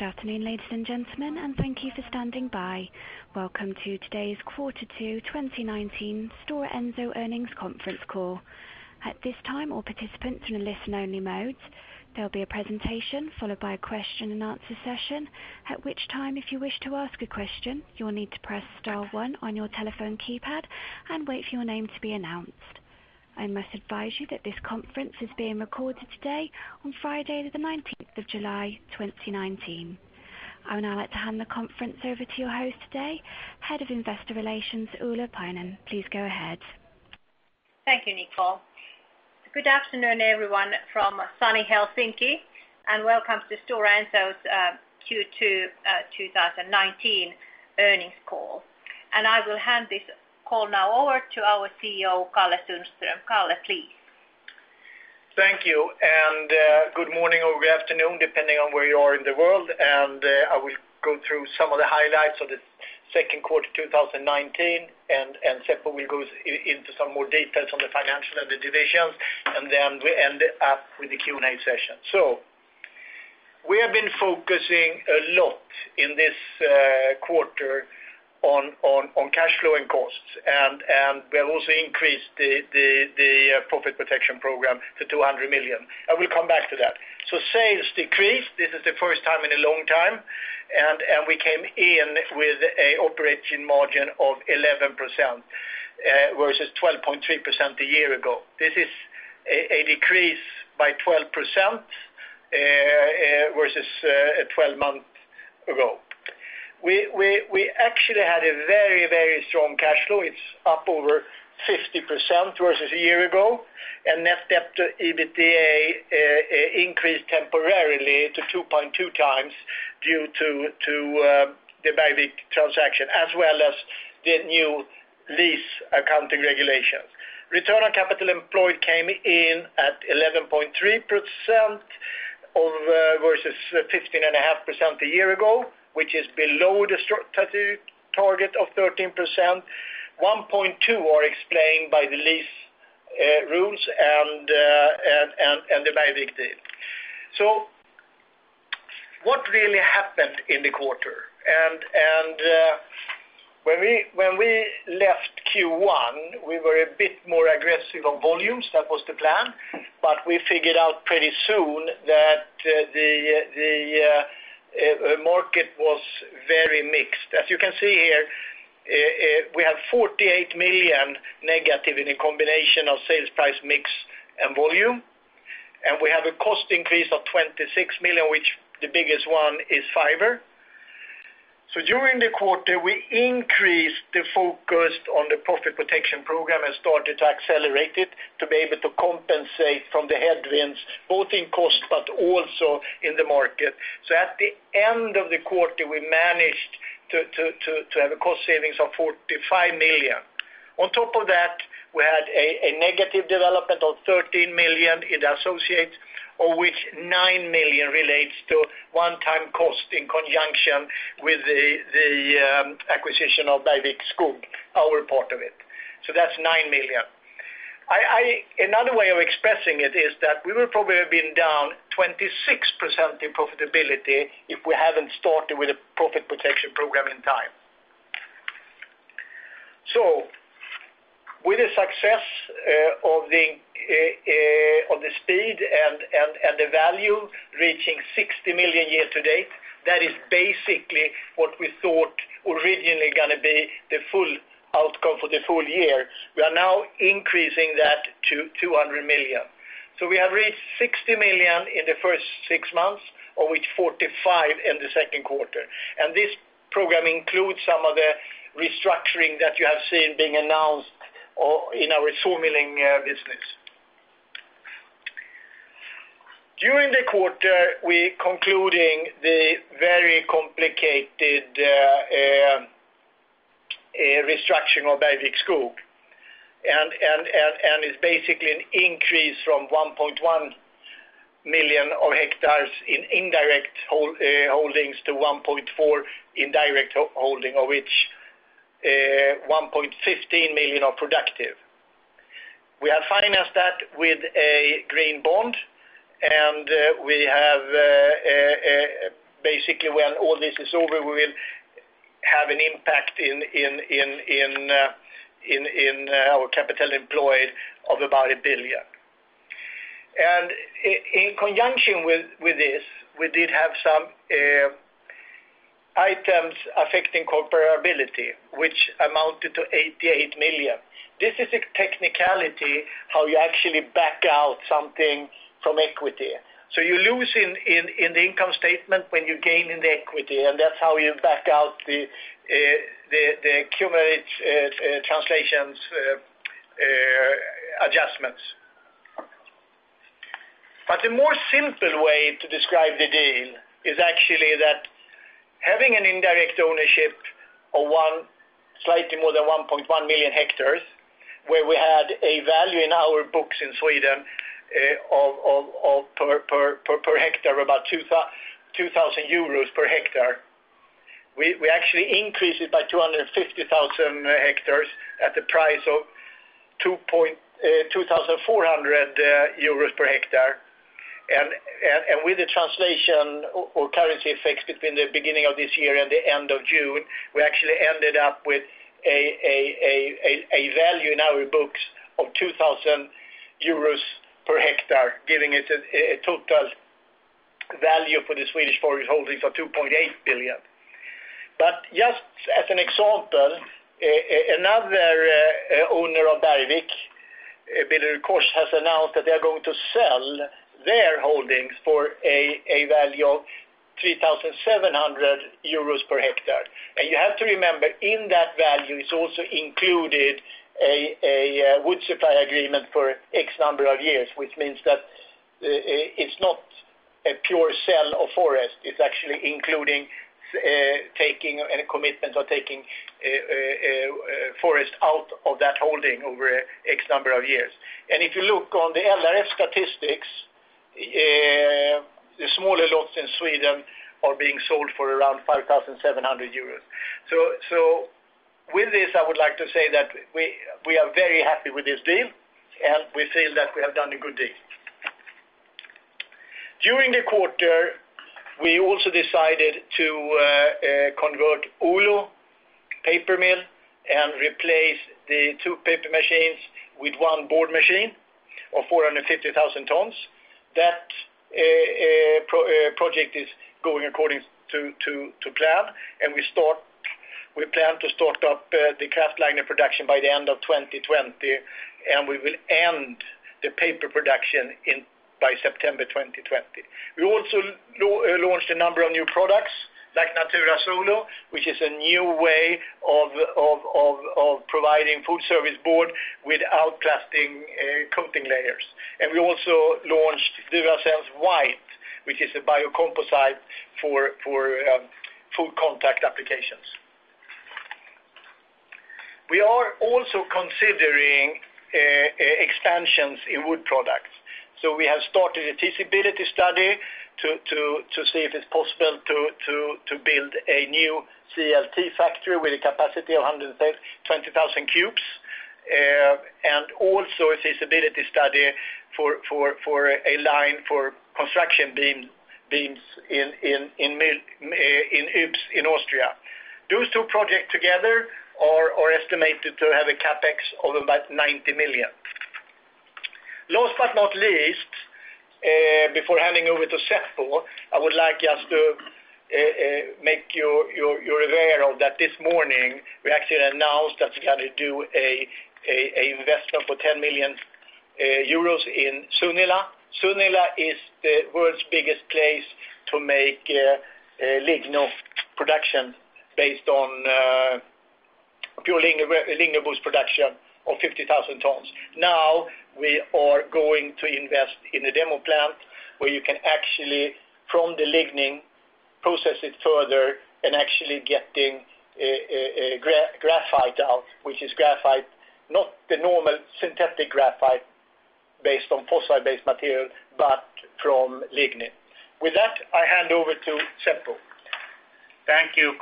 Good afternoon, ladies and gentlemen, and thank you for standing by. Welcome to today's Quarter Two 2019 Stora Enso Earnings Conference Call. At this time, all participants are in listen only mode. There'll be a presentation followed by a question and answer session, at which time, if you wish to ask a question, you will need to press star one on your telephone keypad and wait for your name to be announced. I must advise you that this conference is being recorded today on Friday the 19th of July, 2019. I would now like to hand the conference over to your host today, Head of Investor Relations, Ulla Paajanen. Please go ahead. Thank you, Nicole. Good afternoon, everyone from sunny Helsinki, and welcome to Stora Enso's Q2 2019 earnings call. I will hand this call now over to our CEO, Kalle Sundström. Kalle, please. Thank you. Good morning or good afternoon, depending on where you are in the world. I will go through some of the highlights of the second quarter 2019. Seppo will go into some more details on the financial and the divisions. We end up with the Q&A session. We have been focusing a lot in this quarter on cash flow and costs. We have also increased the profit protection program to 200 million. I will come back to that. Sales decreased. This is the first time in a long time. We came in with an operating margin of 11% versus 12.3% a year ago. This is a decrease by 12% versus 12 months ago. We actually had a very strong cash flow. It's up over 50% versus a year ago. Net debt to EBITDA increased temporarily to 2.2x due to the Beihai transaction as well as the new lease accounting regulations. Return on capital employed came in at 11.3% versus 15.5% a year ago, which is below the strategic target of 13%. 1.2 are explained by the lease rules and the Beihai deal. What really happened in the quarter? When we left Q1, we were a bit more aggressive on volumes. That was the plan. We figured out pretty soon that the market was very mixed. As you can see here, we have 48 million negative in a combination of sales price mix and volume. We have a cost increase of 26 million, which the biggest one is fiber. During the quarter, we increased the focus on the profit protection program and started to accelerate it to be able to compensate from the headwinds, both in cost but also in the market. At the end of the quarter, we managed to have cost savings of 45 million. On top of that, we had a negative development of 13 million in associates, of which 9 million relates to one-time cost in conjunction with the acquisition of Bergvik Skog, our part of it. That's 9 million. Another way of expressing it is that we would probably have been down 26% in profitability if we hadn't started with a profit protection program in time. With the success of the speed and the value reaching 60 million year to date, that is basically what we thought originally going to be the full outcome for the full year. We are now increasing that to 200 million. We have reached 60 million in the first six months, of which 45 in the second quarter. This program includes some of the restructuring that you have seen being announced in our sawmilling business. During the quarter, we concluding the very complicated restructuring of Bergvik Skog, and it's basically an increase from 1.1 million hectares in indirect holdings to 1.4 million in direct holding, of which 1.15 million are productive. We have financed that with a green bond, and basically when all this is over, we will have an impact in our capital employed of about 1 billion. In conjunction with this, we did have some items affecting comparability, which amounted to 88 million. This is a technicality, how you actually back out something from equity. You lose in the income statement when you gain in the equity, and that's how you back out the cumulative translations adjustments. A more simple way to describe the deal is actually that having an indirect ownership of slightly more than 1.1 million hectares, where we had a value in our books in Sweden of per hectare, about 2,000 euros per hectare. We actually increased it by 250,000 hectares at the price of 2,400 euros per hectare. With the translation or currency effects between the beginning of this year and the end of June, we actually ended up with a value in our books of 2,000 euros per hectare, giving it a total value for the Swedish forest holdings of 2.8 billion. Just as an example, another owner of Bergvik, BillerudKorsnäs, has announced that they are going to sell their holdings for a value of 3,700 euros per hectare. You have to remember, in that value is also included a wood supply agreement for X number of years, which means that it's not a pure sell of forest. It's actually including taking a commitment or taking a forest out of that holding over X number of years. If you look on the LRF statistics, the smaller lots in Sweden are being sold for around 5,700 euros. With this, I would like to say that we are very happy with this deal, and we feel that we have done a good deal. During the quarter, we also decided to convert Oulu paper mill and replace the two paper machines with one board machine of 450,000 tons. That project is going according to plan, and we plan to start up the Kraftliner production by the end of 2020, and we will end the paper production by September 2020. We also launched a number of new products like Natura Solo, which is a new way of providing food service board without plastic coating layers. We also launched DuraSense White, which is a biocomposite for food contact applications. We are also considering expansions in wood products. So we have started a feasibility study to see if it's possible to build a new CLT factory with a capacity of 120,000 cubes, and also a feasibility study for a line for construction beams in Ybbs in Austria. Those two projects together are estimated to have a CapEx of about 90 million. Last but not least, before handing over to Seppo, I would like us to make you aware of that this morning, we actually announced that we are going to do an investment of 10 million euros in Sunila. Sunila is the world's biggest place to make lignin production based on pure LignoBoost production of 50,000 tons. Now we are going to invest in a demo plant where you can actually, from the lignin, process it further and actually getting a graphite out, which is graphite, not the normal synthetic graphite based on fossil-based material, but from lignin. With that, I hand over to Seppo. Thank you,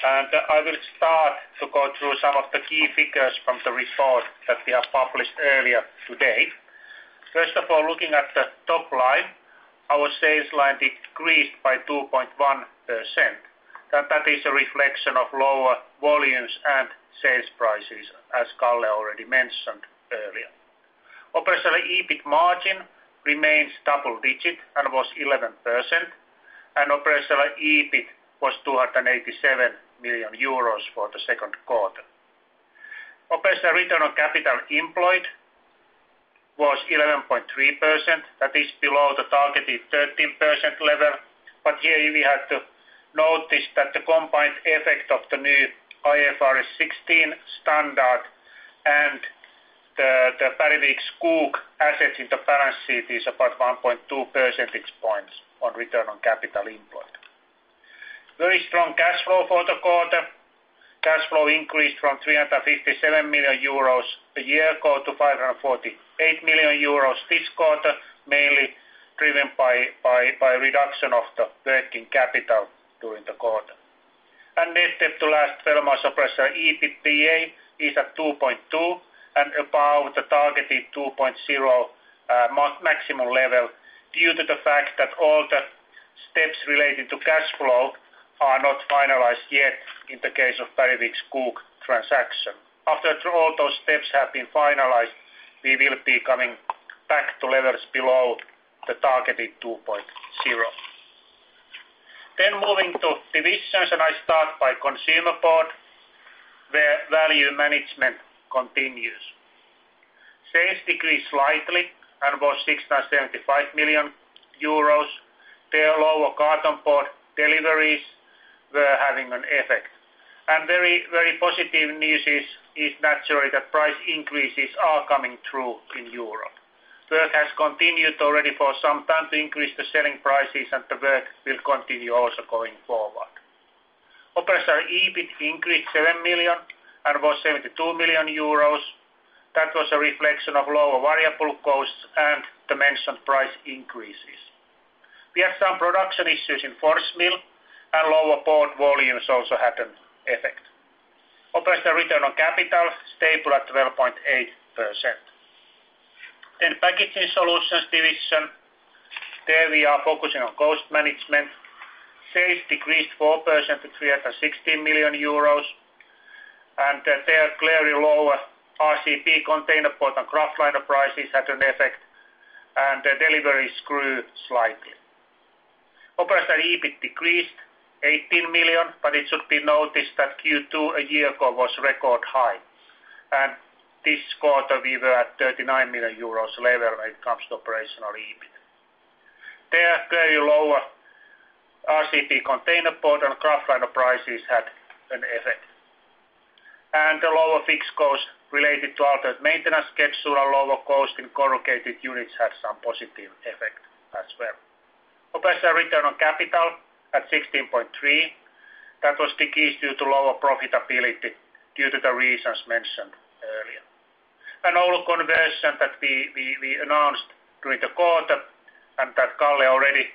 Kalle. I will start to go through some of the key figures from the report that we have published earlier today. First of all, looking at the top line, our sales line decreased by 2.1%. That is a reflection of lower volumes and sales prices, as Kalle already mentioned earlier. Operational EBIT margin remains double digit and was 11%, and operational EBIT was 287 million euros for the second quarter. Operational return on capital employed was 11.3%. That is below the targeted 13% level. But here we have to notice that the combined effect of the new IFRS 16 standard and the Bergvik Skog assets in the balance sheet is about 1.2 percentage points on return on capital employed. Very strong cash flow for the quarter. Cash flow increased from 357 million euros a year ago to 548 million euros this quarter, mainly driven by a reduction of the working capital during the quarter. Net debt to last 12 months operational EBITDA is at 2.2 and above the targeted 2.0 maximum level due to the fact that all the steps related to cash flow are not finalized yet in the case of Bergvik Skog transaction. After all those steps have been finalized, we will be coming back to levels below the targeted 2.0. Moving to divisions, I start by Consumer Board, where Value Management continues. Sales decreased slightly and was 675 million euros. There, lower carton board deliveries were having an effect. Very positive news is naturally that price increases are coming through in Europe. Work has continued already for some time to increase the selling prices, and the work will continue also going forward. Operational EBIT increased 7 million and was 72 million euros. That was a reflection of lower variable costs and the mentioned price increases. We have some production issues in Fors mill, and lower board volumes also had an effect. Operational return on capital, stable at 12.8%. In the Packaging Solutions division, there we are focusing on cost management. Sales decreased 4% to 360 million euros, and there, clearly lower RCP containerboard and Kraftliner prices had an effect, and the deliveries grew slightly. Operational EBIT decreased 18 million, but it should be noticed that Q2 a year ago was record high, and this quarter we were at 39 million euros level when it comes to operational EBIT. There are clearly lower RCP containerboard and Kraftliner prices had an effect. The lower fixed cost related to altered maintenance schedule and lower cost in corrugated units had some positive effect as well. Operational return on capital at 16.3%. That was decreased due to lower profitability due to the reasons mentioned earlier. Old conversion that we announced during the quarter, and that Kalle already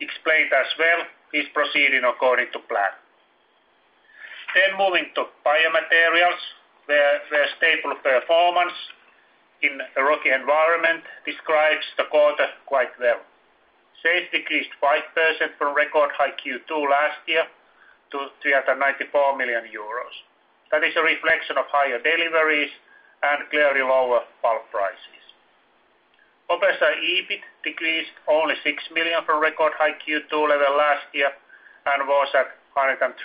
explained as well, is proceeding according to plan. Moving to Biomaterials, where stable performance in a rocky environment describes the quarter quite well. Sales decreased 5% from record high Q2 last year to 394 million euros. That is a reflection of higher deliveries and clearly lower pulp prices. Operational EBIT decreased only 6 million from record high Q2 level last year and was at 103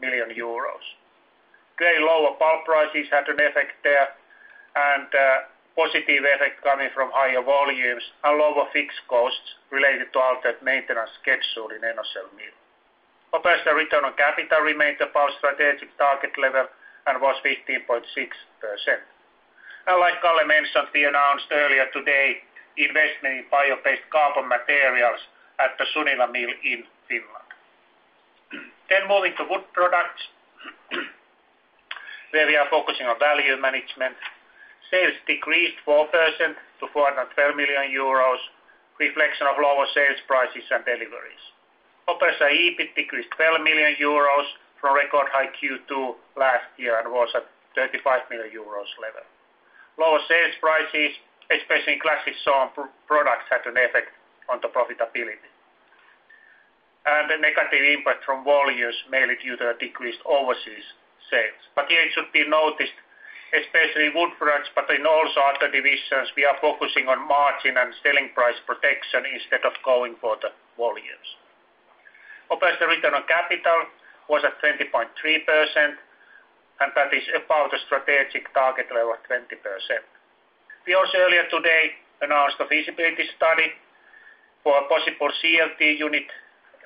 million euros. Clearly lower pulp prices had an effect there, and a positive effect coming from higher volumes and lower fixed costs related to altered maintenance schedule in Enocell mill. Operational return on capital remained above strategic target level and was 15.6%. Like Kalle mentioned, we announced earlier today investment in bio-based carbon materials at the Sunila mill in Finland. Moving to Wood Products, where we are focusing on value management. Sales -4% to 412 million euros, reflection of lower sales prices and deliveries. Operational EBIT decreased 12 million euros from record high Q2 last year and was at 35 million euros level. Lower sales prices, especially in classic sawn products, had an effect on the profitability. The negative impact from volumes mainly due to the decreased overseas sales. Here it should be noticed, especially Wood Products, but in also other divisions, we are focusing on margin and selling price protection instead of going for the volumes. Operational return on capital was at 20.3%, and that is above the strategic target level of 20%. We also earlier today announced a feasibility study for a possible CLT unit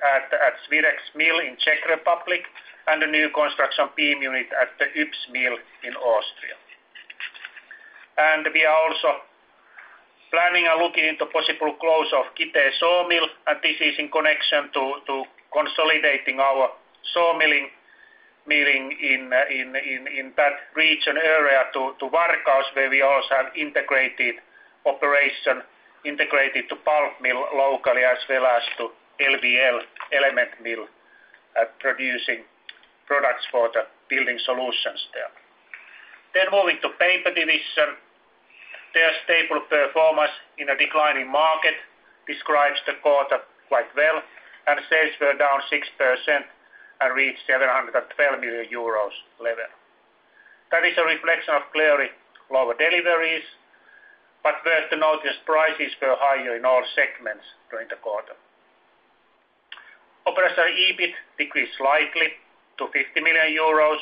at Ždírec mill in Czech Republic and a new construction beam unit at the Ybbs mill in Austria. We are also planning and looking into possible close of Kitee sawmill, and this is in connection to consolidating our saw milling in that region area to Varkaus, where we also have integrated operation, integrated to pulp mill locally, as well as to LVL element mill at producing products for the building solutions there. Moving to Paper division. Their stable performance in a declining market describes the quarter quite well, and sales were down 6% and reached 712 million euros level. That is a reflection of clearly lower deliveries, but worth to notice, prices were higher in all segments during the quarter. Operational EBIT decreased slightly to 50 million euros,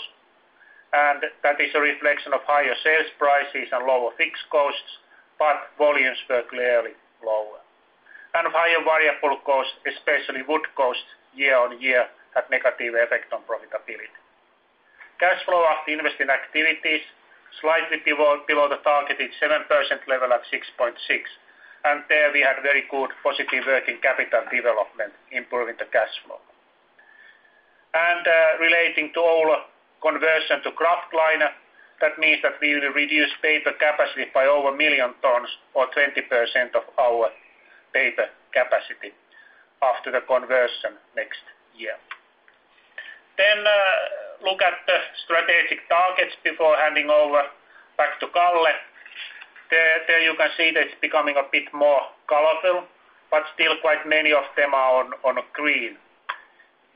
that is a reflection of higher sales prices and lower fixed costs, volumes were clearly lower. Higher variable cost, especially wood cost year-on-year had negative effect on profitability. Cash flow after investing activities, slightly below the targeted 7% level at 6.6%. There we had very good positive working capital development improving the cash flow. Relating to our conversion to Kraftliner, that means that we will reduce paper capacity by over 1 million tons or 20% of our paper capacity after the conversion next year. Look at the strategic targets before handing over back to Kalle. There you can see that it's becoming a bit more colorful, still quite many of them are on green.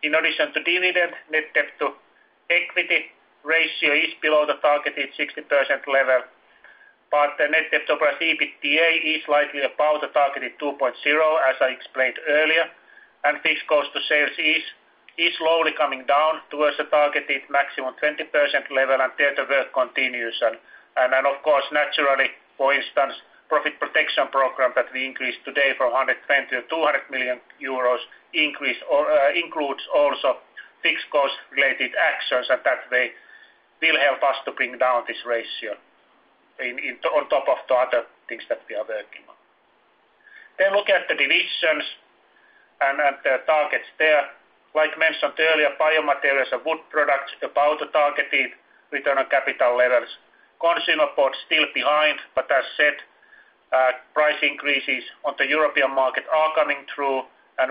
In addition to dividend, net debt to equity ratio is below the targeted 60% level, the net debt to operating EBITDA is slightly above the targeted 2.0, as I explained earlier. Fixed cost to sales is slowly coming down towards the targeted maximum 20% level, there the work continues. Of course, naturally, for instance, profit protection program that we increased today from 120 million to 200 million euros includes also fixed cost related actions and that way will help us to bring down this ratio on top of the other things that we are working on. Look at the divisions and the targets there. Like mentioned earlier, Biomaterials and wood products are about the targeted return on capital levels. Consumer board still behind, as said, price increases on the European market are coming through,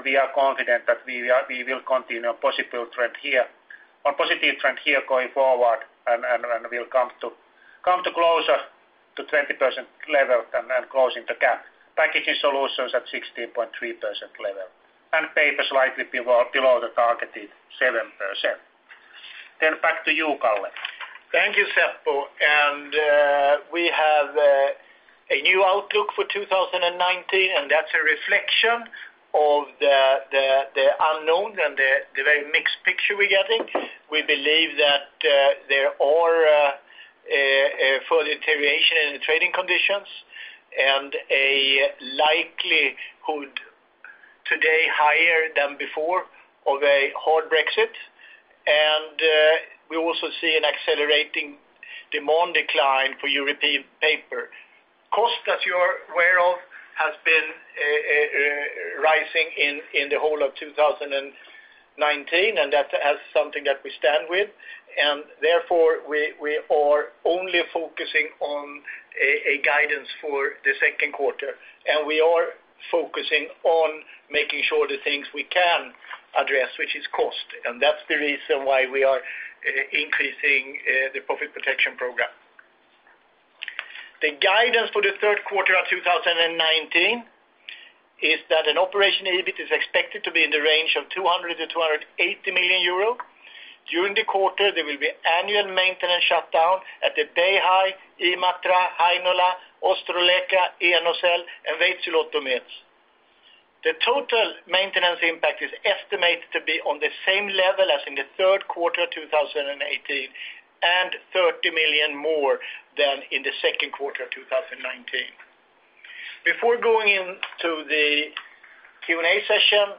we are confident that we will continue our positive trend here going forward and will come closer to 20% level and closing the gap. Packaging solutions at 16.3% level, paper slightly below the targeted 7%. Back to you, Kalle. Thank you, Seppo. We have a new outlook for 2019, that's a reflection of the unknown and the very mixed picture we're getting. We believe that there are a full deterioration in the trading conditions, a likelihood today higher than before of a hard Brexit. We also see an accelerating demand decline for European paper. Cost, as you are aware of, has been rising in the whole of 2019, that is something that we stand with. Therefore, we are only focusing on a guidance for the second quarter, we are focusing on making sure the things we can address, which is cost. That's the reason why we are increasing the profit protection program. The guidance for the third quarter of 2019 is that an operational EBIT is expected to be in the range of 200 million-280 million euro. During the quarter, there will be annual maintenance shutdown at the Beihai, Imatra, Heinola, Ostrołęka, Enocell and Veitsiluoto mills. The total maintenance impact is estimated to be on the same level as in the third quarter 2018 and 30 million more than in the second quarter of 2019. Before going into the Q&A session,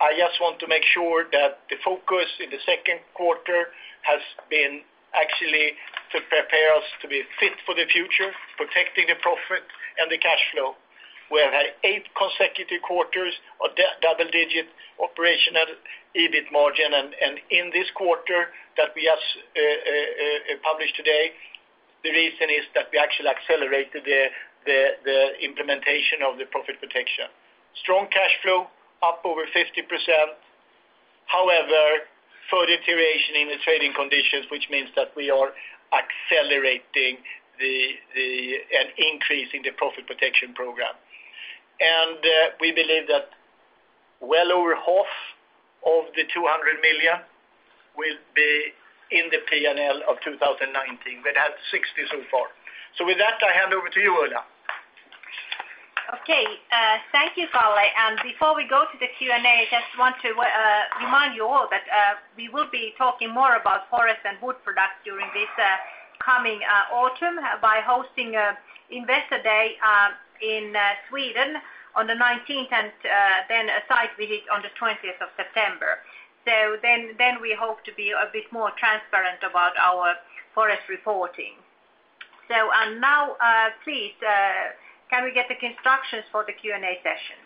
I just want to make sure that the focus in the second quarter has been actually to prepare us to be fit for the future, protecting the profit and the cash flow. We have had eight consecutive quarters of double-digit operational EBIT margin, and in this quarter that we have published today, the reason is that we actually accelerated the implementation of the profit protection. Strong cash flow up over 50%. However, further deterioration in the trading conditions, which means that we are accelerating and increasing the profit protection program. We believe that well over half of the 200 million will be in the P&L of 2019. We've had 60 so far. With that, I hand over to you, Ulla. Okay. Thank you, Kalle. Before we go to the Q&A, I just want to remind you all that we will be talking more about forest and wood product during this coming autumn by hosting Investor Day in Sweden on the 19th, and then a site visit on the 20th of September. We hope to be a bit more transparent about our forest reporting. Now, please, can we get the instructions for the Q&A session?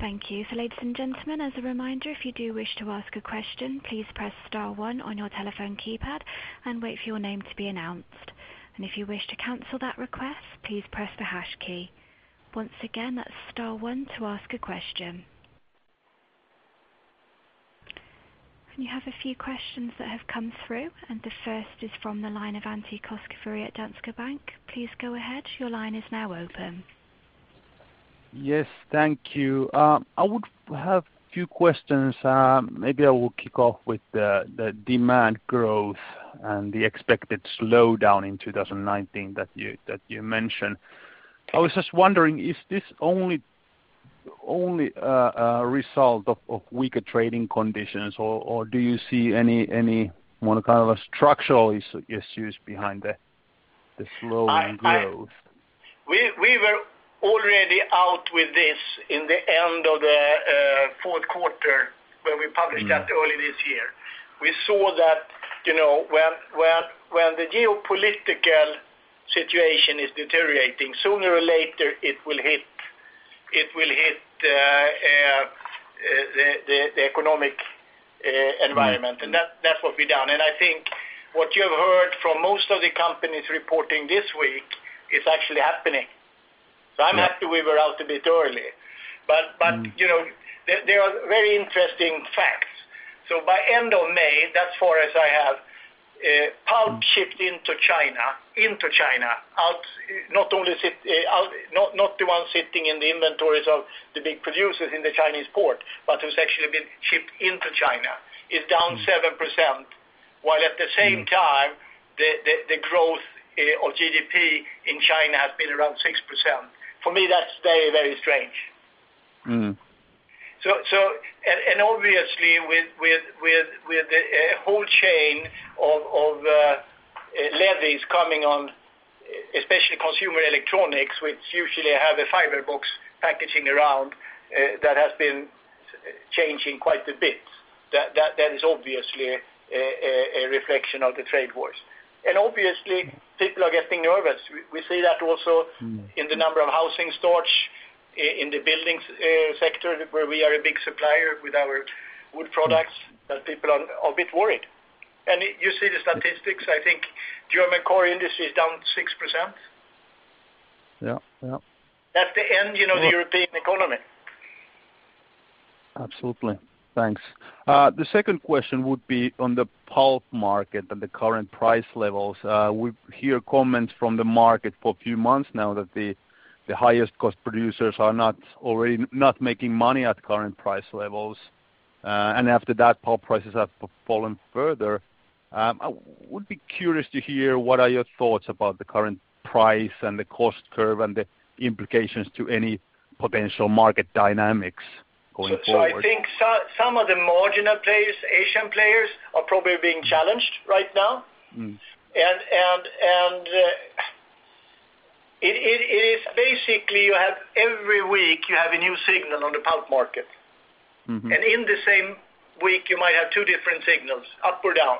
Thank you. Ladies and gentlemen, as a reminder, if you do wish to ask a question, please press star one on your telephone keypad and wait for your name to be announced. If you wish to cancel that request, please press the hash key. Once again, that's star one to ask a question. You have a few questions that have come through, the first is from the line of Antti Koskivuori at Danske Bank. Please go ahead. Your line is now open. Yes, thank you. I would have few questions. Maybe I will kick off with the demand growth and the expected slowdown in 2019 that you mentioned. I was just wondering, is this only a result of weaker trading conditions, or do you see any more structural issues behind the slowing growth? We were already out with this in the end of the fourth quarter when we published that early this year. We saw that when the geopolitical situation is deteriorating, sooner or later it will hit the economic environment. That's what we've done. I think what you've heard from most of the companies reporting this week, it's actually happening. I'm happy we were out a bit early. There are very interesting facts. By end of May, that's forest I have, pulp shipped into China, not the ones sitting in the inventories of the big producers in the Chinese port, but who's actually been shipped into China, is down 7%, while at the same time, the growth of GDP in China has been around 6%. For me, that's very strange. Obviously with the whole chain of levies coming on, especially consumer electronics, which usually have a fiber box packaging around that has been changing quite a bit. That is obviously a reflection of the trade wars. Obviously people are getting nervous. We see that also in the number of housing starts in the buildings sector where we are a big supplier with our wood products, that people are a bit worried. You see the statistics, I think German core industry is down 6%. Yeah. That's the end, you know the European economy. Absolutely. Thanks. The second question would be on the pulp market and the current price levels. We hear comments from the market for a few months now that the highest cost producers are not making money at current price levels. After that, pulp prices have fallen further. I would be curious to hear what are your thoughts about the current price and the cost curve and the implications to any potential market dynamics going forward. I think some of the marginal players, Asian players, are probably being challenged right now. It is basically every week you have a new signal on the pulp market. In the same week you might have two different signals, up or down.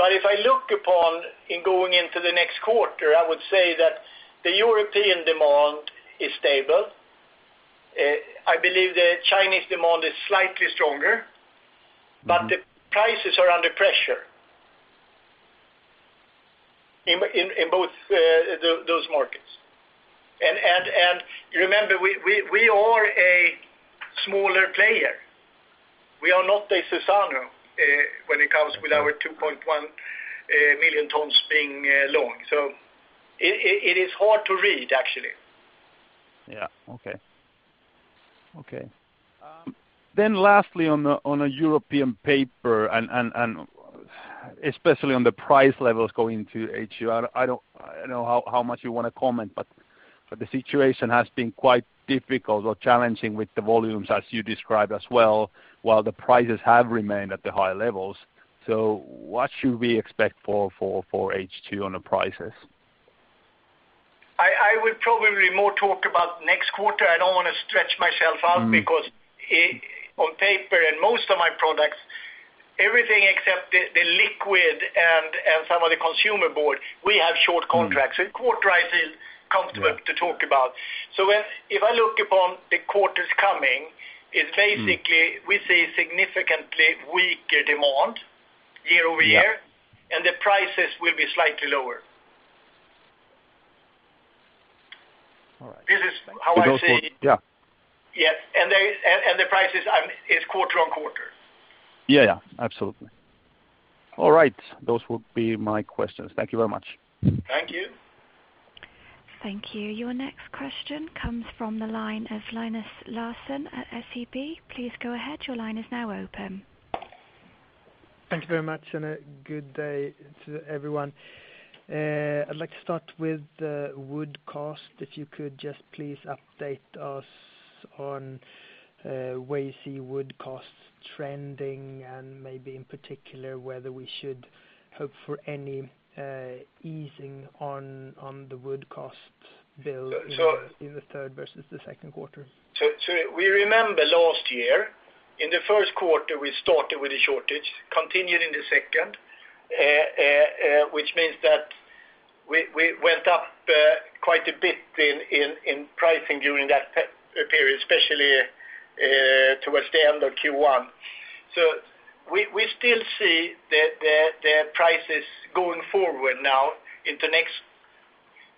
If I look upon in going into the next quarter, I would say that the European demand is stable. I believe the Chinese demand is slightly stronger. The prices are under pressure in both those markets. Remember, we are a smaller player. We are not a Suzano, when it comes with our 2.1 million tons being long. It is hard to read, actually. Lastly, on a European Paper and especially on the price levels going into H2, I don't know how much you want to comment, but the situation has been quite difficult or challenging with the volumes as you described as well, while the prices have remained at the high levels. What should we expect for H2 on the prices? I would probably more talk about next quarter. I don't want to stretch myself out because on paper and most of my products, everything except the liquid and some of the consumer board, we have short contracts. Quarter I feel comfortable to talk about. If I look upon the quarters coming, it's basically we see significantly weaker demand year-over-year. Yeah. The prices will be slightly lower. All right. This is how I see it. Yeah. Yeah. The price is quarter on quarter. Yeah. Absolutely. All right. Those would be my questions. Thank you very much. Thank you. Thank you. Your next question comes from the line of Linus Larsson at SEB. Please go ahead. Your line is now open. Thank you very much, a good day to everyone. I'd like to start with the wood cost. If you could just please update us on where you see wood costs trending and maybe in particular whether we should hope for any easing on the wood costs bill in the third versus the second quarter. We remember last year, in the first quarter we started with a shortage, continued in the second, which means that we went up quite a bit in pricing during that period, especially towards the end of Q1. We still see the prices going forward now into next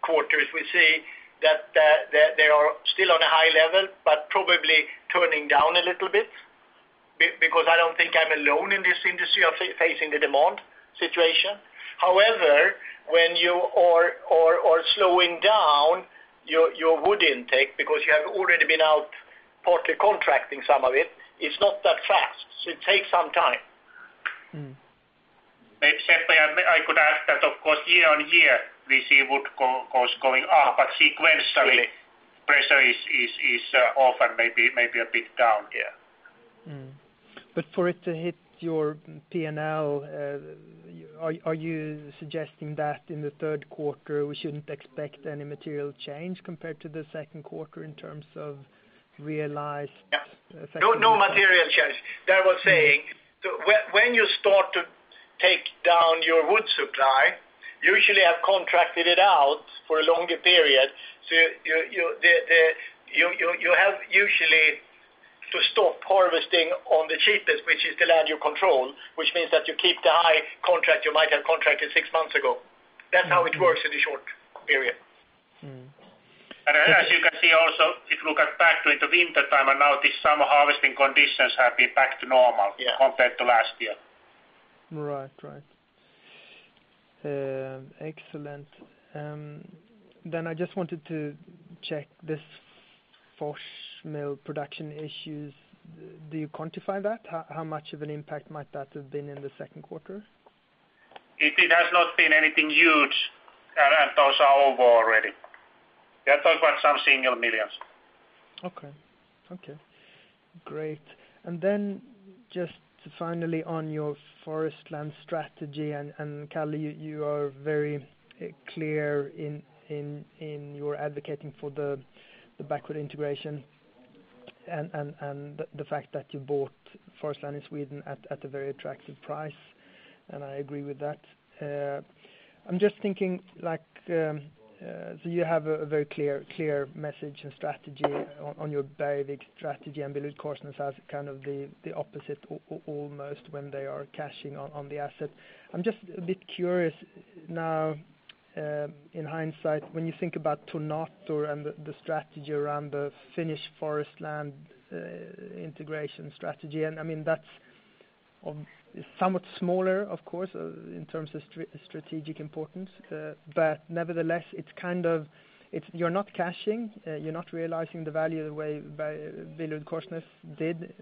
quarters. We see that they are still on a high level, but probably turning down a little bit, because I don't think I'm alone in this industry of facing the demand situation. However, when you are slowing down your wood intake because you have already been out partly contracting some of it's not that fast. It takes some time. Certainly, I could add that of course, year-over-year we see wood cost going up, but sequentially pressure is often maybe a bit down, yeah. For it to hit your P&L, are you suggesting that in the third quarter we shouldn't expect any material change compared to the second quarter in terms of realized- Yeah. No material change. That was saying, when you start to take down your wood supply, usually I've contracted it out for a longer period. You have usually to stop harvesting on the cheapest, which is the land you control, which means that you keep the high contract you might have contracted six months ago. That's how it works in the short period. As you can see also, if you look at back into wintertime and now this summer harvesting conditions have been back to normal. Yeah. compared to last year. Right. Excellent. I just wanted to check this Fors mill production issues. Do you quantify that? How much of an impact might that have been in the second quarter? It has not been anything huge. Those are over already. They talk about some single millions. Okay. Great. Just finally on your forest land strategy, Kalle, you are very clear in your advocating for the backward integration and the fact that you bought forest land in Sweden at a very attractive price, I agree with that. I'm just thinking, you have a very clear message and strategy on your Bergvik strategy and BillerudKorsnäs as kind of the opposite almost when they are cashing on the asset. I'm just a bit curious now, in hindsight, when you think about Tornator and the strategy around the Finnish forest land integration strategy, that's somewhat smaller, of course, in terms of strategic importance. Nevertheless, you're not cashing, you're not realizing the value the way BillerudKorsnäs did,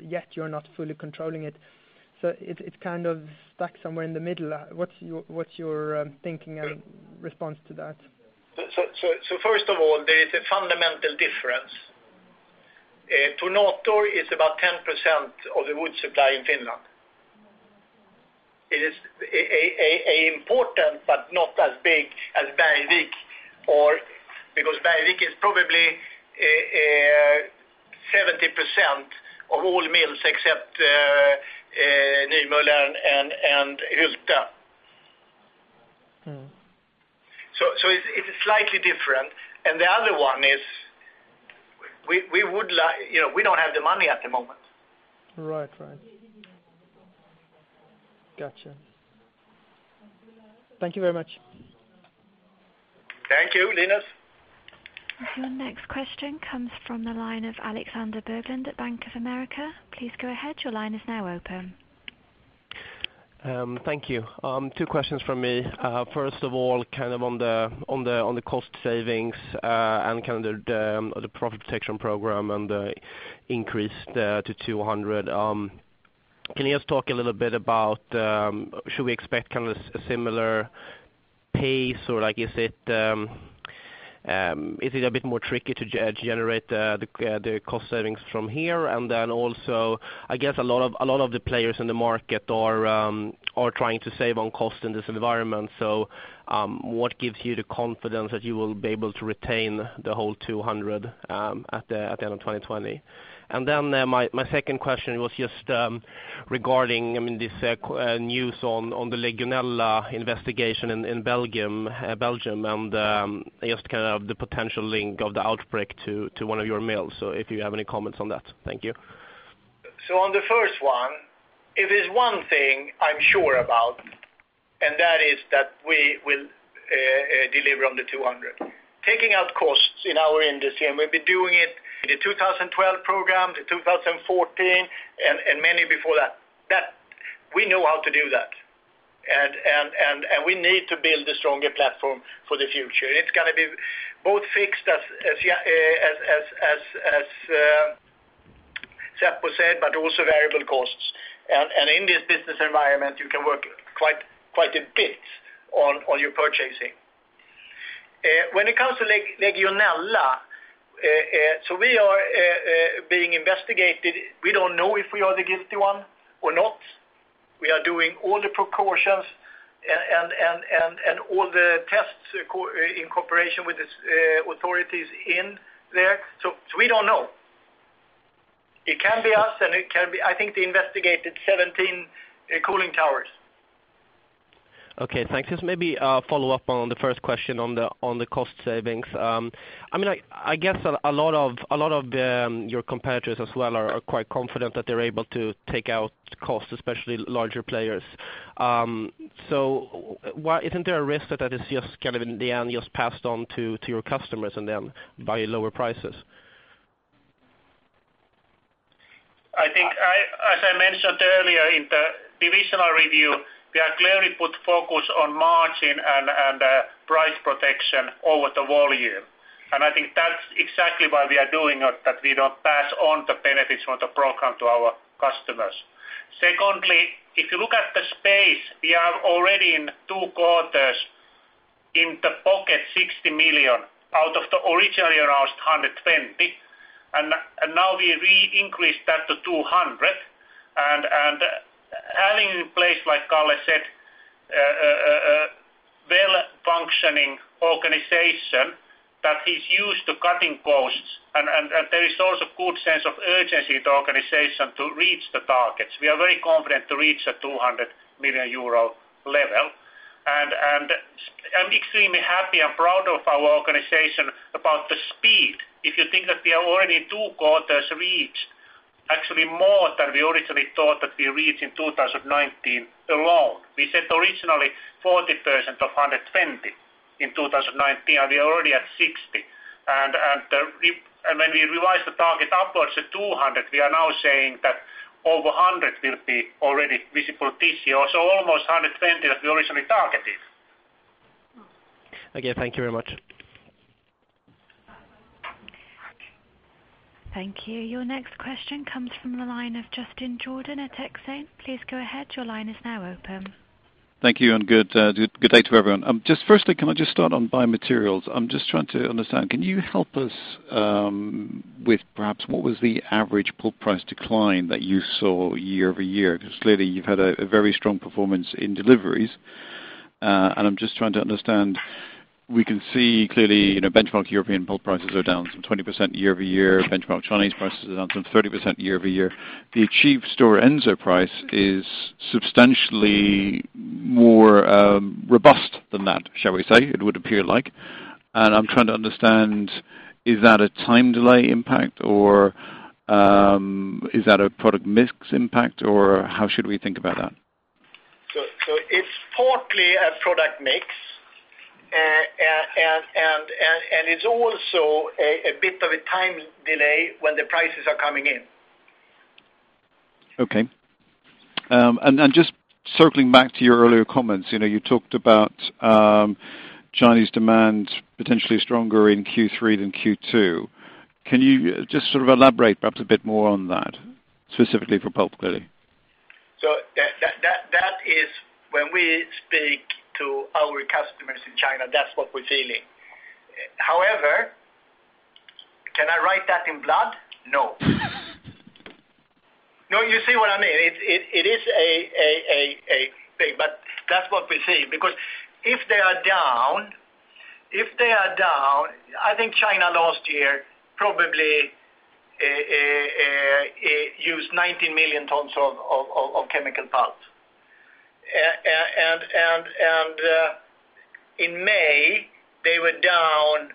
yet you're not fully controlling it. It's kind of stuck somewhere in the middle. What's your thinking and response to that? First of all, there is a fundamental difference. Tornator is about 10% of the wood supply in Finland. It is important, but not as big as Bergvik, because Bergvik is probably 70% of all mills except Nymölla and Hylte. It's slightly different, the other one is we don't have the money at the moment. Right. Got you. Thank you very much. Thank you. Linus. Your next question comes from the line of Alexander Berglund at Bank of America. Please go ahead. Your line is now open. Thank you. Two questions from me. First of all, on the cost savings, and the profit protection program and the increase to 200, can you just talk a little bit about should we expect a similar pace or is it a bit more tricky to generate the cost savings from here? Also, I guess a lot of the players in the market are trying to save on cost in this environment. What gives you the confidence that you will be able to retain the whole 200 at the end of 2020? My second question was just regarding this news on the Legionella Investigation in Belgium, and just the potential link of the outbreak to one of your mills. If you have any comments on that. Thank you. On the first one, if there's one thing I'm sure about, that is that we will deliver on the 200. Taking out costs in our industry, we've been doing it in the 2012 program, the 2014, many before that. We know how to do that, we need to build a stronger platform for the future. It's going to be both fixed as Seppo said, also variable costs. In this business environment, you can work quite a bit on your purchasing. When it comes to Legionella, we are being investigated. We don't know if we are the guilty one or not. We are doing all the precautions and all the tests in cooperation with the authorities in there. We don't know. It can be us, it can be I think they investigated 17 cooling towers. Okay, thanks. Just maybe a follow-up on the first question on the cost savings. I guess a lot of your competitors as well are quite confident that they're able to take out costs, especially larger players. Isn't there a risk that is just in the end, just passed on to your customers and then by lower prices? I think, as I mentioned earlier in the divisional review, we are clearly put focus on margin and price protection over the volume. I think that's exactly why we are doing it, that we don't pass on the benefits from the program to our customers. Secondly, if you look at the space, we are already in two quarters in the pocket 60 million out of the originally announced 120, and now we re-increased that to 200. Having in place, like Kalle said, a well-functioning organization that is used to cutting costs, and there is also good sense of urgency to organization to reach the targets. We are very confident to reach a 200 million euro level. I'm extremely happy and proud of our organization about the speed. If you think that we are already in two quarters reached actually more than we originally thought that we reach in 2019 alone. We said originally 40% of 120 in 2019, we are already at 60. When we revised the target upwards at 200, we are now saying that over 100 will be already visible this year. Almost 120 that we originally targeted. Okay. Thank you very much. Thank you. Your next question comes from the line of Justin Jordan at Exane. Please go ahead. Your line is now open. Thank you, and good day to everyone. Just firstly, can I just start on Biomaterials? I'm just trying to understand, can you help us with perhaps what was the average pulp price decline that you saw year-over-year? Clearly you've had a very strong performance in deliveries. I'm just trying to understand, we can see clearly, benchmark European pulp prices are down some 20% year-over-year. Benchmark Chinese prices are down some 30% year-over-year. The Chief Stora Enso price is substantially more robust than that, shall we say, it would appear like. I'm trying to understand, is that a time delay impact, or is that a product mix impact, or how should we think about that? It's partly a product mix. It's also a bit of a time delay when the prices are coming in. Okay. Just circling back to your earlier comments, you talked about Chinese demand potentially stronger in Q3 than Q2. Can you just sort of elaborate perhaps a bit more on that, specifically for pulp, clearly? That is when we speak to our customers in China, that's what we're feeling. However, can I write that in blood? No. No, you see what I mean. It is a thing, but that's what we see. If they are down, I think China last year probably used 90 million tons of chemical pulp. In May, they were down,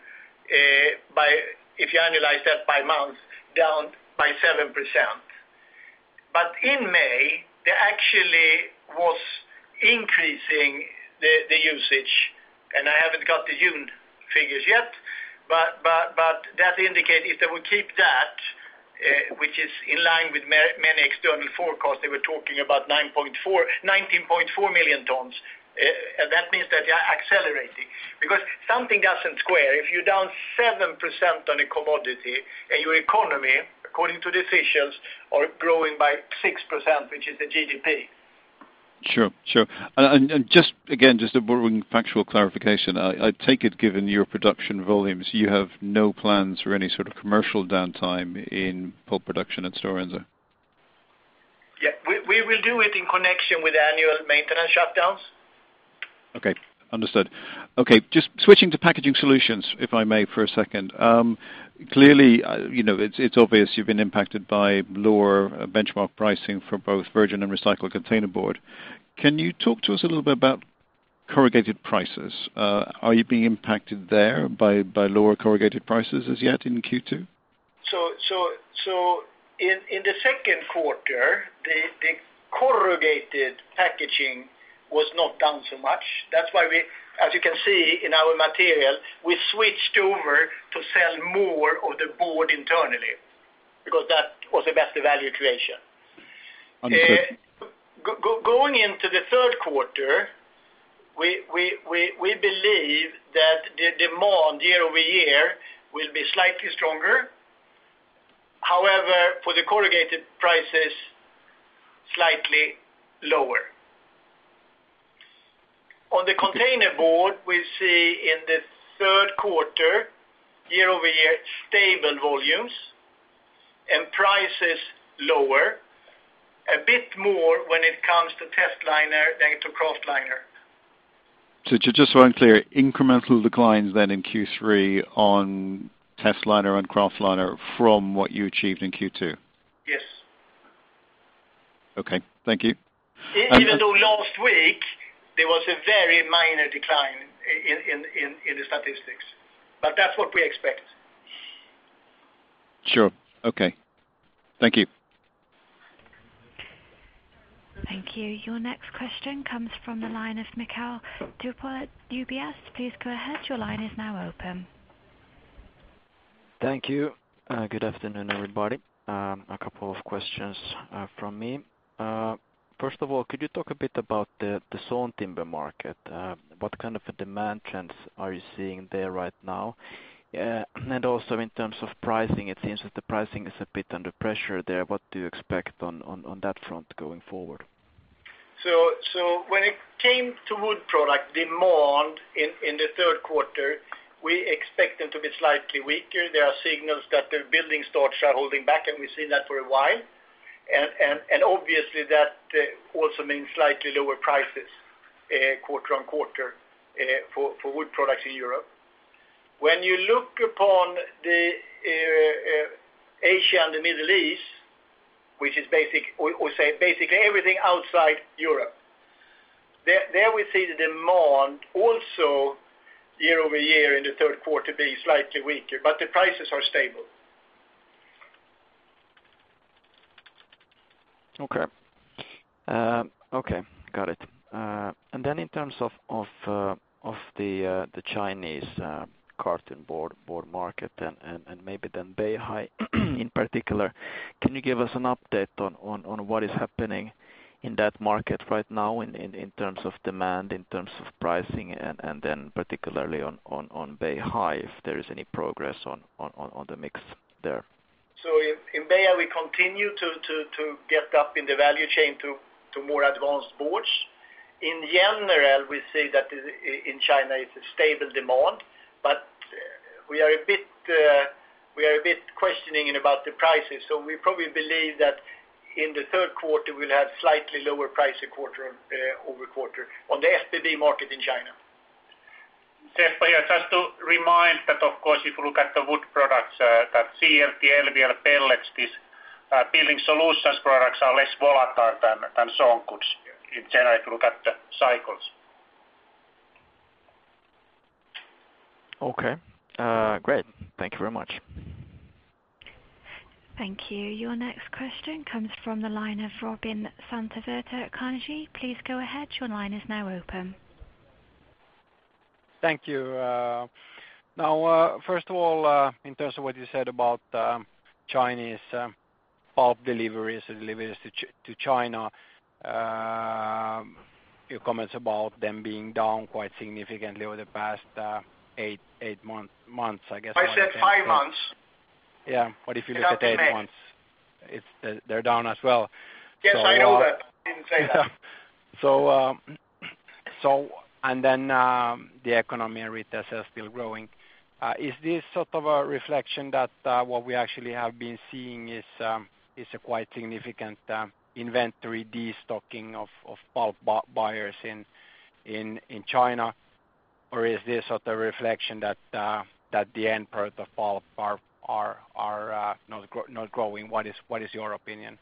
if you annualize that by month, down by 7%. In May, there actually was increasing the usage, and I haven't got the June figures yet, but that indicate if they will keep that, which is in line with many external forecasts, they were talking about 19.4 million tons. That means that they are accelerating, because something doesn't square. If you're down 7% on a commodity and your economy, according to the officials, are growing by 6%, which is the GDP. Sure. Just again, just a boring factual clarification. I take it, given your production volumes, you have no plans for any sort of commercial downtime in pulp production at Stora Enso? Yeah. We will do it in connection with annual maintenance shutdowns. Okay. Understood. Okay, just switching to packaging solutions, if I may, for a second. Clearly, it's obvious you've been impacted by lower benchmark pricing for both virgin and recycled container board. Can you talk to us a little bit about corrugated prices? Are you being impacted there by lower corrugated prices as yet in Q2? In the second quarter, the corrugated packaging was not down so much. That's why we, as you can see in our material, we switched over to sell more of the board internally because that was a better value creation. Understood. Going into the third quarter, we believe that the demand year-over-year will be slightly stronger. However, for the corrugated prices, slightly lower. On the containerboard, we see in the third quarter, year-over-year, stable volumes and prices lower, a bit more when it comes to Testliner than to Kraftliner. Just so I'm clear, incremental declines then in Q3 on Testliner and Kraftliner from what you achieved in Q2? Yes. Okay. Thank you. Even though last week there was a very minor decline in the statistics, but that's what we expect. Sure. Okay. Thank you. Thank you. Your next question comes from the line of Mikael Doepel at UBS. Please go ahead. Your line is now open. Thank you. Good afternoon, everybody. A couple of questions from me. First of all, could you talk a bit about the sawn timber market? What kind of demand trends are you seeing there right now? Also in terms of pricing, it seems that the pricing is a bit under pressure there. What do you expect on that front going forward? When it came to wood product demand in the third quarter, we expect them to be slightly weaker. There are signals that the building starts are holding back, and we've seen that for a while. Obviously that also means slightly lower prices quarter-on-quarter for wood products in Europe. When you look upon the Asia and the Middle East, we say basically everything outside Europe, there we see the demand also year-over-year in the third quarter be slightly weaker, but the prices are stable. Okay. Got it. In terms of the Chinese carton board market and maybe Beihai in particular, can you give us an update on what is happening in that market right now in terms of demand, in terms of pricing, and then particularly on Beihai, if there is any progress on the mix there? In Beihai, we continue to get up in the value chain to more advanced boards. In general, we see that in China it's a stable demand, but we are a bit questioning about the prices. We probably believe that in the third quarter we'll have slightly lower price over quarter on the FBB market in China. Seppo. Just to remind that, of course, if you look at the wood products, that CLT, LVL pellets, these building solutions products are less volatile than some goods in general, if you look at the cycles. Okay. Great. Thank you very much. Thank you. Your next question comes from the line of Robin Santavirta at Carnegie. Please go ahead. Your line is now open. Thank you. Now, first of all, in terms of what you said about Chinese pulp deliveries and deliveries to China, your comments about them being down quite significantly over the past eight months. I said five months. If you look at eight months, they're down as well. Yes, I know that. I didn't say that. The economy rate is still growing. Is this sort of a reflection that what we actually have been seeing is a quite significant inventory destocking of pulp buyers in China? Or is this a reflection that the end product of pulp are not growing? What is your opinion?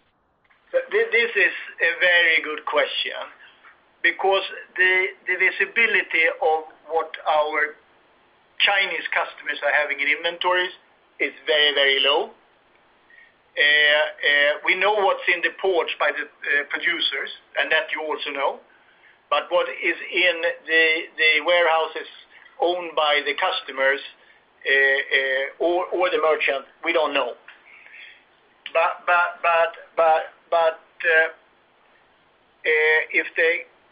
This is a very good question because the visibility of what our Chinese customers are having in inventories is very low. We know what's in the ports by the producers, and that you also know. What is in the warehouses owned by the customers or the merchant, we don't know. If the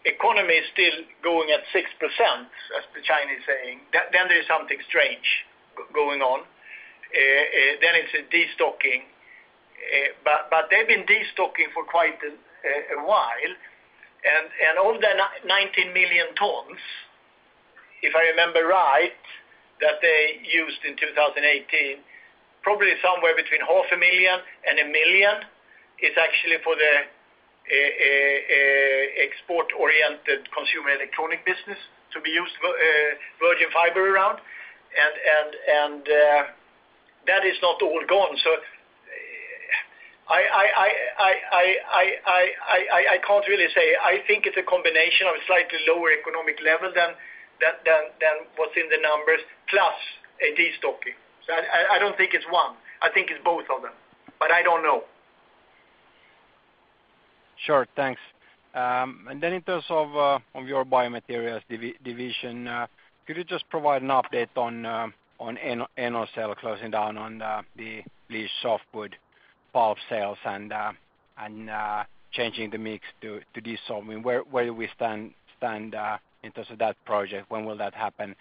economy is still going at 6%, as the Chinese saying, there's something strange going on. It's a destocking. They've been destocking for quite a while. Of the 19 million tons, if I remember right, that they used in 2018, probably somewhere between 0.5 million and 1 million is actually for the export-oriented consumer electronic business to be used virgin fiber around. That is not all gone. I can't really say. I think it's a combination of a slightly lower economic level than what's in the numbers plus a destocking. I don't think it's one. I think it's both of them, but I don't know. Sure, thanks. In terms of your biomaterials division, could you just provide an update on Enocell closing down on the bleached softwood pulp sales and changing the mix to dissolving pulp? Where do we stand in terms of that project? When will that happen?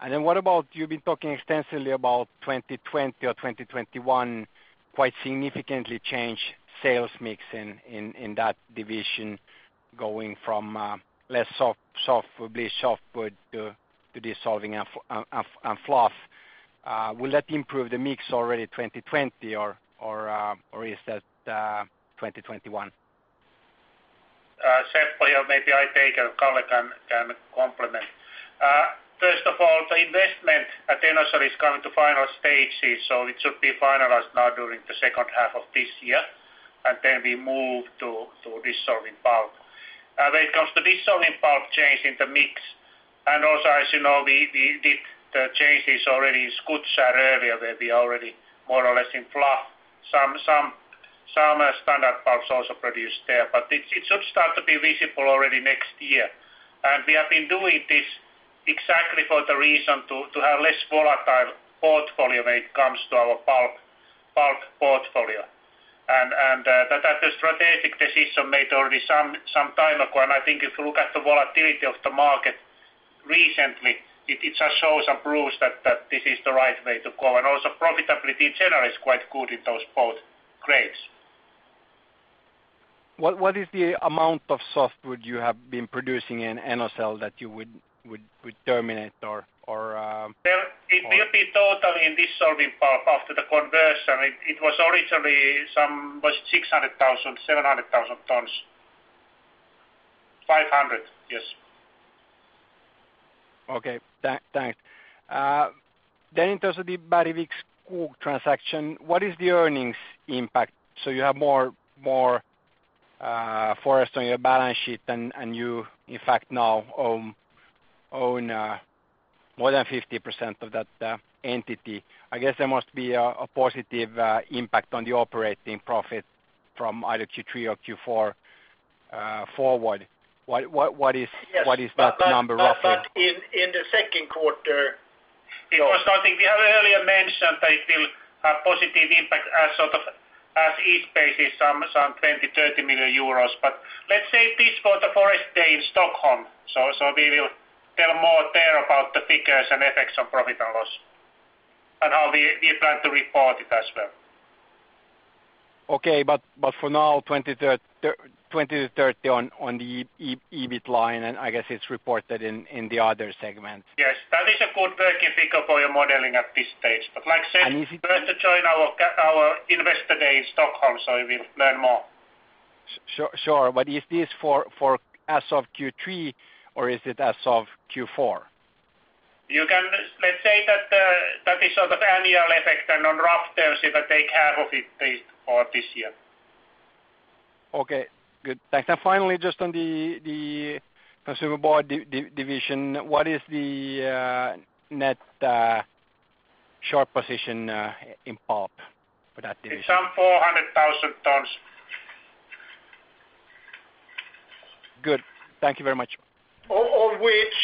What about, you've been talking extensively about 2020 or 2021 quite significantly change sales mix in that division going from less bleached softwood to dissolving and fluff. Will that improve the mix already 2020 or is that 2021? Seppo here. Maybe I take and Kalle can complement. First of all, the investment at Enocell is coming to final stages, so it should be finalized now during the second half of this year. We move to dissolving pulp. When it comes to dissolving pulp change in the mix, also as you know, we did the changes already in Skutskär earlier, where we already more or less in fluff some standard pulps also produced there, but it should start to be visible already next year. We have been doing this exactly for the reason to have less volatile portfolio when it comes to our pulp portfolio. That a strategic decision made already some time ago, I think if you look at the volatility of the market recently, it just shows and proves that this is the right way to go. Also profitability in general is quite good in those pulp grades. What is the amount of softwood you have been producing in Enocell that you would terminate or? It will be total in dissolving pulp after the conversion. It was originally 600,000-700,000 tons. 500, yes. Okay, thanks. In terms of the Bergvik Skog transaction, what is the earnings impact? You have more forest on your balance sheet and you, in fact, now own more than 50% of that entity. I guess there must be a positive impact on the operating profit from either Q3 or Q4 forward. What is that number roughly? In the second quarter, because I think we have earlier mentioned a still positive impact of 20 million-30 million euros. Let's save this for the Forest Day in Stockholm. We will tell more there about the figures and effects on P&L, and how we plan to report it as well. Okay. For now, 20-30 on the EBIT line, and I guess it's reported in the other segment. Yes. That is a good working figure for your modeling at this stage. Like I said. If. You have to join our investor day in Stockholm, so you will learn more. Sure. Is this for as of Q3, or is it as of Q4? Let's say that is sort of annual effect. On rough terms, you can take half of it based for this year. Okay, good. Thanks. Finally, just on the Consumer Board division, what is the net short position in pulp for that division? It's some 400,000 tons. Good. Thank you very much. Of which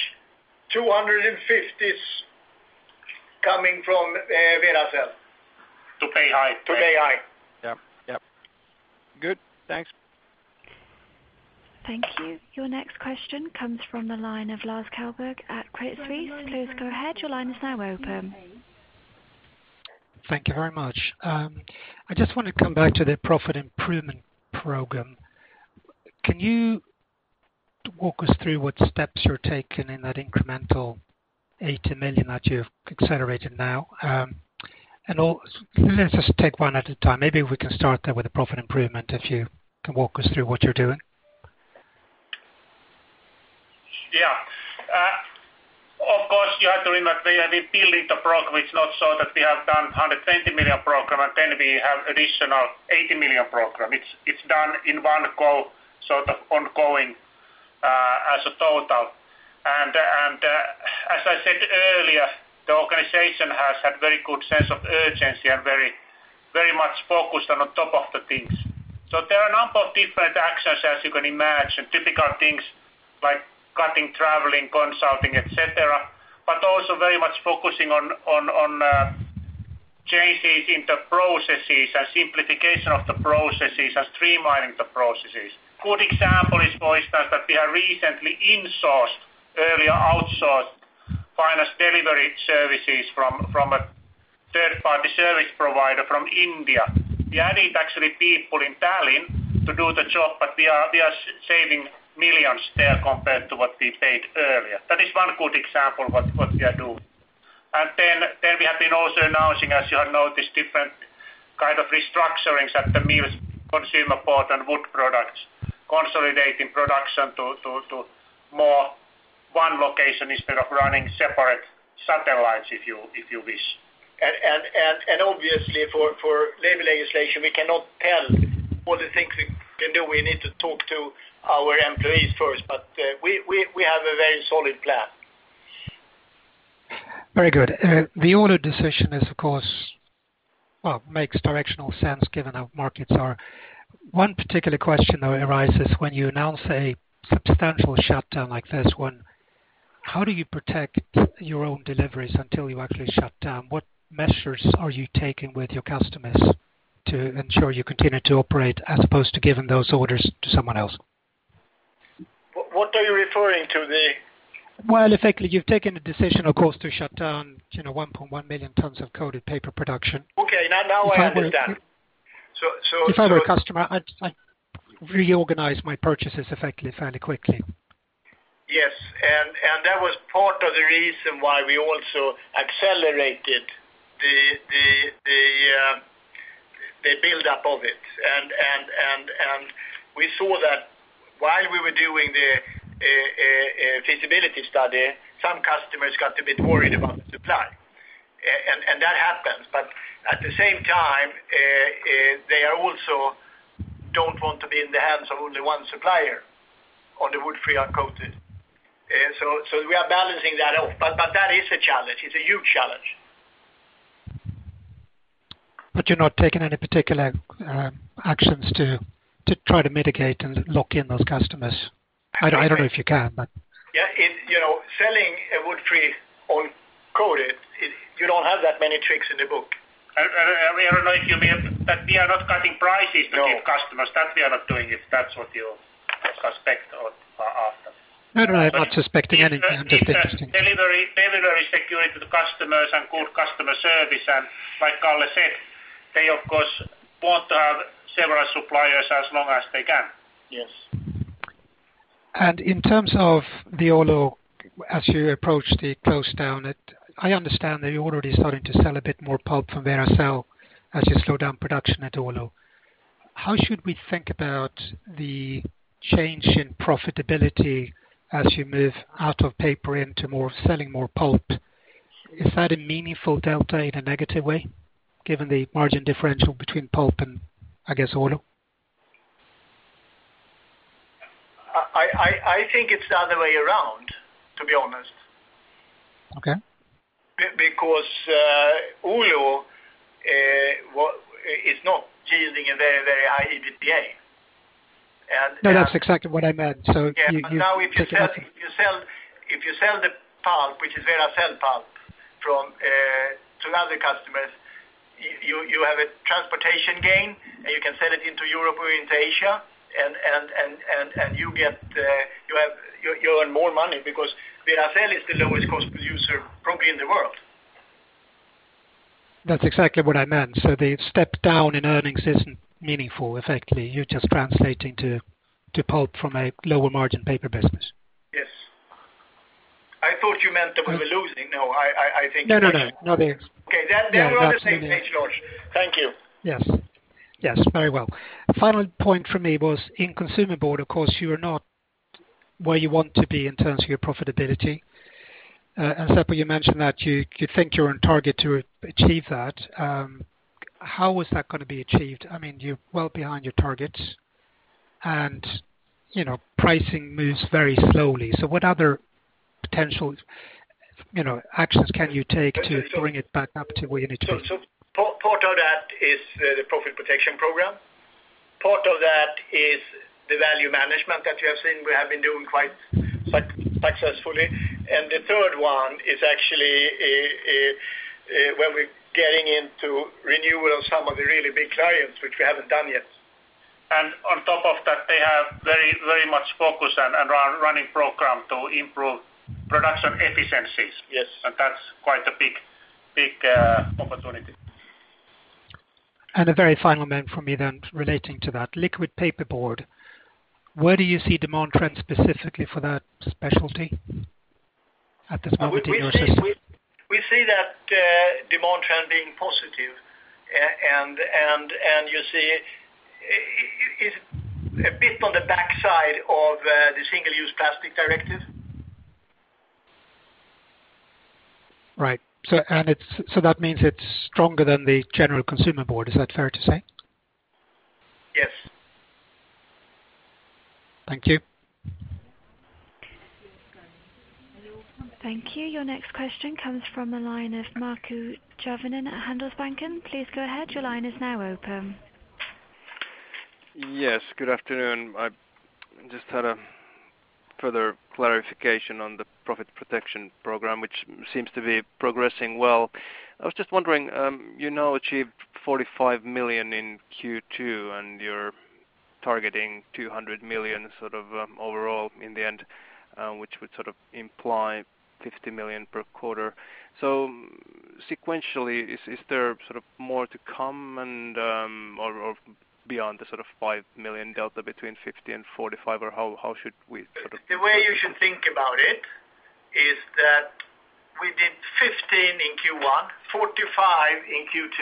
250 is coming from Veracel. To pay high. To pay high. Yep. Good. Thanks. Thank you. Your next question comes from the line of Lars Kjellberg at Credit Suisse. Please go ahead. Your line is now open. Thank you very much. I just want to come back to the profit improvement program. Can you walk us through what steps you're taking in that incremental 80 million that you've accelerated now? Let's just take one at a time. Maybe we can start that with the profit improvement, if you can walk us through what you're doing. Yeah. Of course, you have to remember we have been building the program. It's not so that we have done 120 million program and then we have additional 80 million program. It's done in one go, sort of ongoing as a total. As I said earlier, the organization has had very good sense of urgency and very much focused and on top of the things. There are a number of different actions, as you can imagine, typical things like cutting, traveling, consulting, et cetera, but also very much focusing on changes in the processes and simplification of the processes and streamlining the processes. Good example is, for instance, that we have recently insourced, earlier outsourced finance delivery services from a third-party service provider from India. We added actually people in Tallinn to do the job, but we are saving millions there compared to what we paid earlier. That is one good example what we are doing. Then we have been also announcing, as you have noticed, different kind of restructurings at the mills, Consumer Board and Wood Products, consolidating production to more one location instead of running separate satellites, if you wish. Obviously for labor legislation, we cannot tell all the things we can do. We need to talk to our employees first. We have a very solid plan. Very good. The Oulu decision is, of course, makes directional sense given how markets are. One particular question, though, arises when you announce a substantial shutdown like this one, how do you protect your own deliveries until you actually shut down? What measures are you taking with your customers to ensure you continue to operate as opposed to giving those orders to someone else? What are you referring to? Effectively, you've taken the decision, of course, to shut down 1.1 million tons of coated paper production. Okay. Now I understand. If I were a customer, I'd reorganize my purchases effectively fairly quickly. Yes. That was part of the reason why we also accelerated the buildup of it. We saw that while we were doing the feasibility study, some customers got a bit worried about the supply. That happens. At the same time, they also don't want to be in the hands of only one supplier on the wood-free uncoated. We are balancing that off. That is a challenge. It's a huge challenge. You're not taking any particular actions to try to mitigate and lock in those customers? I don't know if you can. Yeah. Selling a wood-free uncoated, you don't have that many tricks in the book. I don't know if you mean. We are not cutting prices. No. To give customers. That we are not doing if that's what you suspect or after. No, I'm not suspecting anything. I'm just interested. Delivery security to the customers and good customer service. Like Kalle said, they of course want to have several suppliers as long as they can. Yes. In terms of the Oulu, as you approach the close down, I understand that you're already starting to sell a bit more pulp from Veracel as you slow down production at Oulu. How should we think about the change in profitability as you move out of paper into more selling more pulp? Is that a meaningful delta in a negative way, given the margin differential between pulp and I guess Oulu? I think it's the other way around, to be honest. Okay. Because Oulu is not yielding a very, very high EBITDA. No, that's exactly what I meant. Yeah, now if you sell the pulp, which is Veracel Pulp to other customers, you have a transportation gain, you can sell it into Europe or into Asia, you earn more money because Veracel is the lowest cost producer probably in the world. That's exactly what I meant. The step down in earnings isn't meaningful. Effectively, you're just translating to pulp from a lower margin paper business. Yes. I thought you meant that we were losing. No. No. Nothing. Okay. We're on the same page, Lars. Thank you. Yes. Very well. Final point from me was in consumer board, of course you are not where you want to be in terms of your profitability. Seppo, you mentioned that you think you're on target to achieve that. How is that going to be achieved? You're well behind your targets, pricing moves very slowly. What other potential actions can you take to bring it back up to where you need to be? Part of that is the profit protection program. Part of that is the value management that you have seen, we have been doing quite successfully. The third one is actually where we're getting into renewal of some of the really big clients, which we haven't done yet. On top of that, they have very much focus and running program to improve production efficiencies. Yes. That's quite a big opportunity. A very final note from me then relating to that. Liquid paper board, where do you see demand trends specifically for that specialty at this moment in your system? We see that demand trend being positive, and you see it a bit on the backside of the Single-Use Plastics Directive. Right. That means it's stronger than the general consumer board, is that fair to say? Yes. Thank you. Thank you. Your next question comes from the line of Markku Järvinen at Handelsbanken. Please go ahead. Your line is now open. Yes, good afternoon. I just had a further clarification on the profit protection program, which seems to be progressing well. I was just wondering, you now achieved 45 million in Q2, and you're targeting 200 million overall in the end, which would imply 50 million per quarter. Sequentially, is there more to come and, or beyond the 5 million delta between 50 and 45, or how should we sort of The way you should think about it is that we did 15 in Q1, 45 in Q2.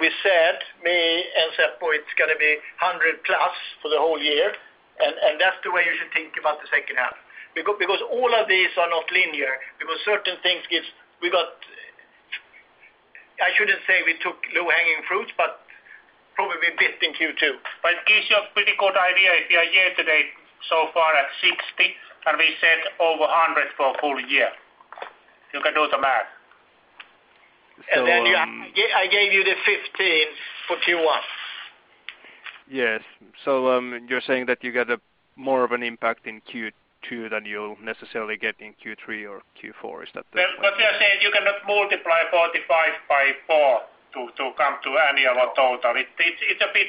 We said, me and Seppo it's going to be 100 plus for the whole year. That's the way you should think about the second half. All of these are not linear, because I shouldn't say we took low-hanging fruits, but probably a bit in Q2. It gives you a pretty good idea if you are year to date so far at 60, and we said over 100 for a full year. You can do the math. So. I gave you the 15 for Q1. Yes. You're saying that you get more of an impact in Q2 than you'll necessarily get in Q3 or Q4, is that the? What we are saying. You cannot multiply 45 by four to come to annual or total. It's a bit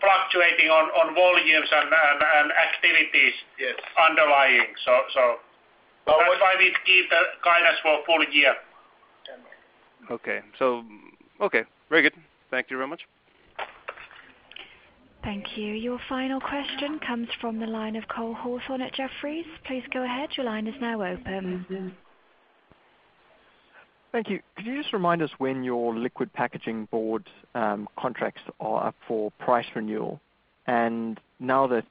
fluctuating on volumes and activities. Yes, underlying. That's why we give the guidance for a full year. Okay. Very good. Thank you very much. Thank you. Your final question comes from the line of Cole Hathorn at Jefferies. Please go ahead. Your line is now open. Thank you. Could you just remind us when your liquid packaging board contracts are up for price renewal? Now that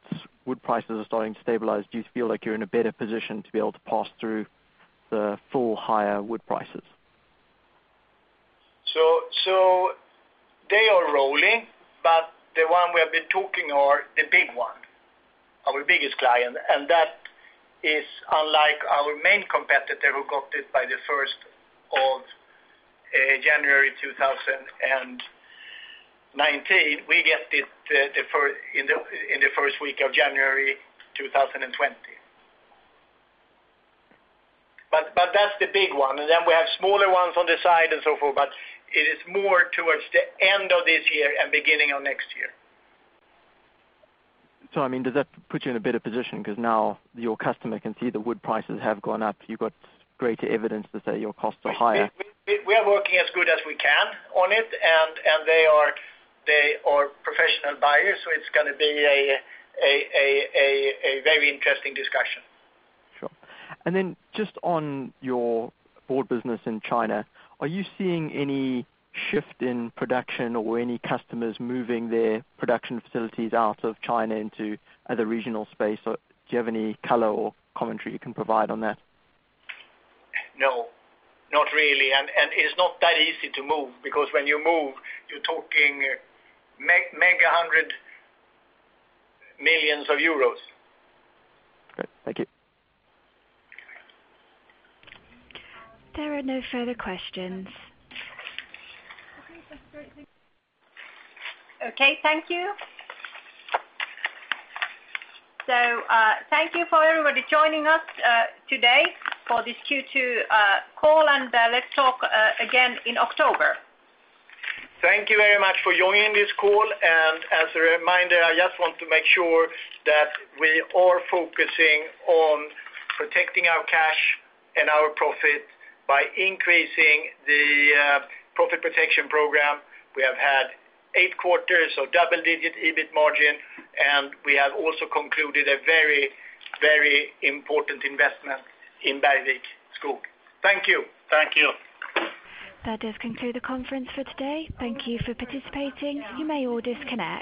wood prices are starting to stabilize, do you feel like you're in a better position to be able to pass through the full higher wood prices? They are rolling, the one we have been talking or the big one, our biggest client, that is unlike our main competitor who got it by the 1st of January 2019, we get it in the first week of January 2020. That's the big one, we have smaller ones on the side and so forth, it is more towards the end of this year and beginning of next year. Does that put you in a better position because now your customer can see the wood prices have gone up, you've got greater evidence to say your costs are higher? We are working as good as we can on it, they are professional buyers, it's going to be a very interesting discussion. Sure. Then just on your board business in China, are you seeing any shift in production or any customers moving their production facilities out of China into other regional space, or do you have any color or commentary you can provide on that? No, not really. It's not that easy to move because when you move, you're talking mega 100 million EUR. Great. Thank you. There are no further questions. Okay, thank you. Thank you for everybody joining us today for this Q2 call, and let's talk again in October. Thank you very much for joining this call. As a reminder, I just want to make sure that we are focusing on protecting our cash and our profit by increasing the profit protection program. We have had eight quarters of double-digit EBIT margin, and we have also concluded a very important investment in Bergvik Skog. Thank you. Thank you. That does conclude the conference for today. Thank you for participating. You may all disconnect.